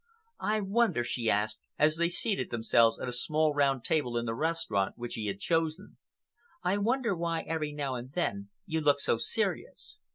"I wonder," she asked, as they seated themselves at a small round table in the restaurant which he had chosen,—"I wonder why every now and then you look so serious."